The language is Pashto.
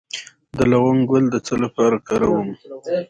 د لونګ ګل د څه لپاره وکاروم؟